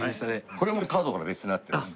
これもカードほら別になってるし。